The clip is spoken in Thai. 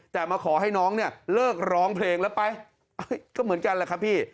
แต่มาขอให้น้องเนี่ยเลิกร้องเพลงแล้วไปก็เหมือนกันแหละครับพี่